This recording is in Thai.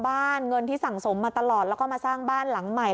เงินที่สั่งสมมาตลอดแล้วก็มาสร้างบ้านหลังใหม่